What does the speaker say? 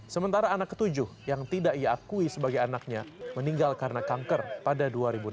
sementara anak ketujuh yang tidak ia akui sebagai anaknya meninggal karena kanker pada dua ribu delapan belas